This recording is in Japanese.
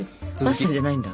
パスタじゃないんだ？